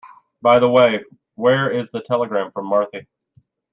By the way, where is the telegram from Marthe?